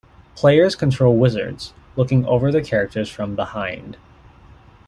Players control wizards, looking over their characters from behind.